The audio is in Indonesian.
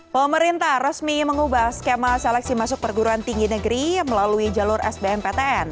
pemerintah resmi mengubah skema seleksi masuk perguruan tinggi negeri melalui jalur sbmptn